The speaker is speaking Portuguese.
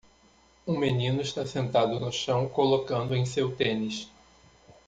Um menino está sentado no chão colocando em seu tênis.